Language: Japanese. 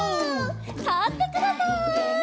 たってください。